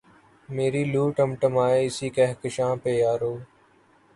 میری لؤ ٹمٹمائے اسی کہکشاں پہ یارو